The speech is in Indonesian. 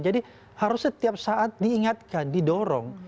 jadi harus setiap saat diingatkan didorong